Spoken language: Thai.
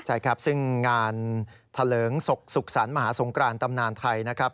ใช่ครับซึ่งงานเถลิงศกสุขสรรค์มหาสงกรานตำนานไทยนะครับ